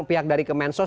pihak dari kemensos